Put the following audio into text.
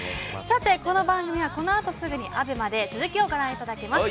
この番組はこのあとすぐにＡＢＥＭＡで続きをご覧いただけます。